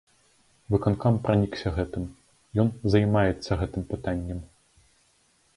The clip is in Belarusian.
Выканкам пранікся гэтым, ён займаецца гэтым пытаннем.